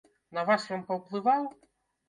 На вас ён паўплываў?